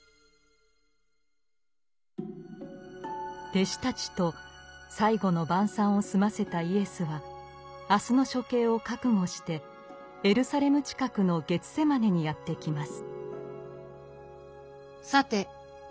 弟子たちと「最後の晩餐」を済ませたイエスは明日の処刑を覚悟してエルサレム近くのゲツセマネにやって来ます。